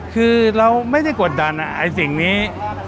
คือเราไม่ได้กดดันไอ้สิ่งนี้